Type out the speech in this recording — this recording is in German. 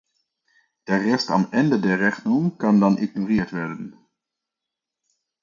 Der Rest am Ende der Rechnung kann dann ignoriert werden.